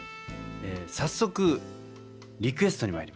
早速リクエストにまいりましょう。